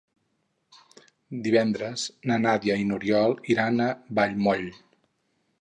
Divendres na Nàdia i n'Oriol iran a Vallmoll.